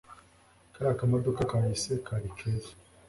kariya kamodoka kahise kari keza